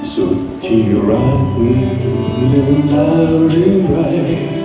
สุขที่รักเรียกแล้วหรือไป